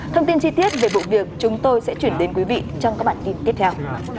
thông tin chi tiết về vụ việc chúng tôi sẽ chuyển đến quý vị trong các bản tin tiếp theo